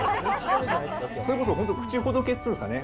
それこそ本当に口ほどけっていうんですかね、